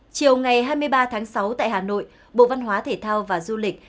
chiều ngày hai mươi ba tháng sáu tại hà nội bộ văn hóa thể thao và du lịch